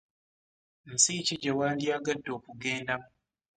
Nsi ki gye wandyagade okugendamu?